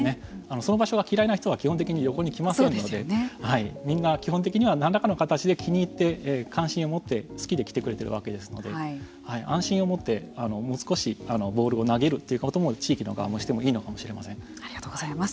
その場所が嫌いな人は基本的に旅行に来ませんのでみんな基本的には何らかの形で気に入って関心を持って好きで来てくれているわけですので安心を持ってもう少しボールを投げるということも地域の側もありがとうございます。